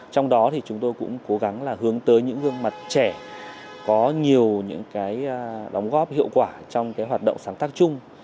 trong đó chúng tôi cũng cố gắng hướng tới những gương mặt trẻ có nhiều đóng góp hiệu quả trong hoạt động sáng tác chung